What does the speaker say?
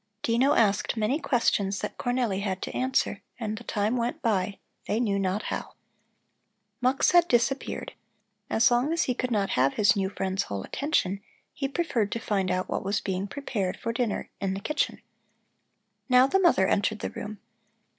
Dino asked many questions that Cornelli had to answer, and the time went by they knew not how. Mux had disappeared. As long as he could not have his new friend's whole attention, he preferred to find out what was being prepared for dinner in the kitchen. Now the mother entered the room.